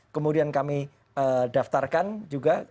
kemudian kami daftarkan juga